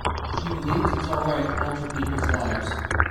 She believes it's all right to alter people's lives.